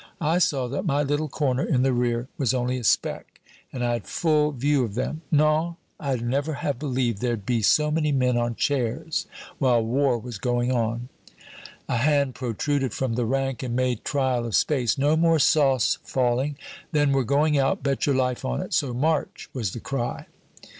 I saw that my little corner in the rear was only a speck, and I had full view of them. Non, I'd never have believed there'd be so many men on chairs while war was going on " A hand protruded from the rank and made trial of space "No more sauce falling" "Then we're going out, bet your life on it." So "March!" was the cry.